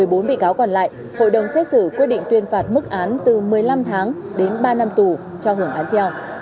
một mươi bốn bị cáo còn lại hội đồng xét xử quyết định tuyên phạt mức án từ một mươi năm tháng đến ba năm tù cho hưởng án treo